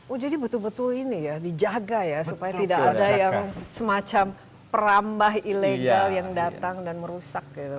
oh jadi betul betul ini ya dijaga ya supaya tidak ada yang semacam perambah ilegal yang datang dan merusak gitu